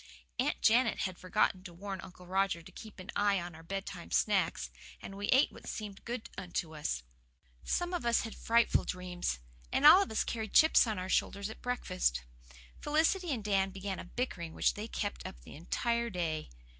Aunt Janet had forgotten to warn Uncle Roger to keep an eye on our bedtime snacks, and we ate what seemed good unto us. Some of us had frightful dreams, and all of us carried chips on our shoulders at breakfast. Felicity and Dan began a bickering which they kept up the entire day.